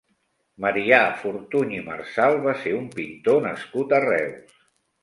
Marià Fortuny i Marsal va ser un pintor nascut a Reus.